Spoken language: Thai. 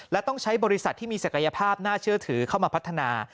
และต้องใช้บริษัทที่มีศักยภาพน่าเชื่อถือเข้ามาพัฒนา